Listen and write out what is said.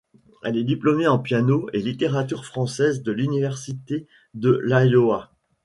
Elle est diplômée en piano et littérature française de l'Université de l'Iowa.